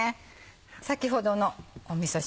先ほどのみそ汁。